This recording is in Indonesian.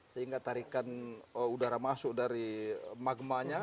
sehingga tarikan udara masuk dari magmanya